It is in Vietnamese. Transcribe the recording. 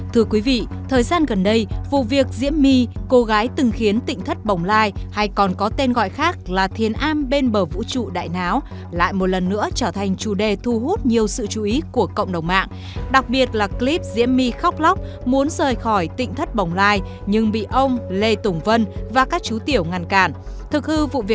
hãy đăng ký kênh để ủng hộ kênh của chúng mình nhé